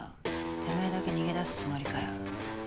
てめぇだけ逃げ出すつもりかよ。